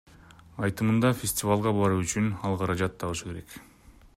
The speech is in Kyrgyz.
Айтымында, фестивалга баруу үчүн ал каражат табышы керек.